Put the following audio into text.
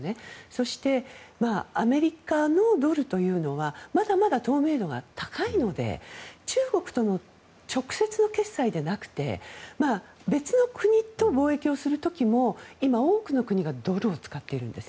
そしてアメリカのドルというのはまだまだ透明度が高いので中国との直接の決済でなくて別の国と貿易をする時も今、多くの国がドルを使っているんです。